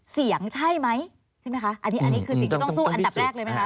เสียงใช่ไหมใช่ไหมคะอันนี้อันนี้คือสิ่งที่ต้องสู้อันดับแรกเลยไหมคะ